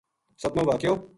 سَتمو واقعو